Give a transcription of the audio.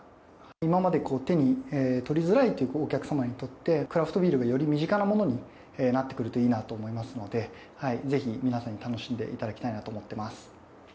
今まで手に取りづらいというお客様にとって、クラフトビールがより身近なものになってくるといいなと思いますので、ぜひ皆さんに楽しんでいただきたいなと思っています。